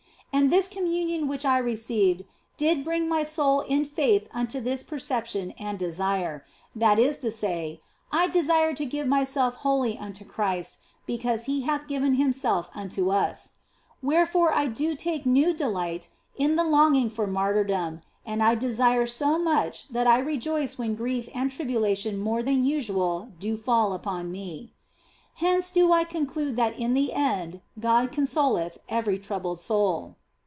And this Communion which I received did bring my soul in faith unto this perception and desire that is to say, I desired to give myself wholly unto Christ because He hath given Himself unto us. Wherefore do I take new delight in the longing for martyrdom, and I desire so much that I rejoice when grief and tribulation more than usual do fall upon me. Hence do I conclude that in the end God consoleth every troubled soul.